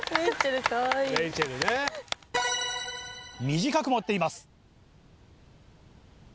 短く持っています。